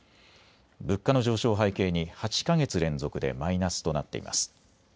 物価の上昇を背景に８か月連続でマイナスとなっています。